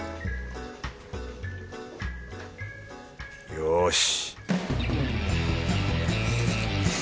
よし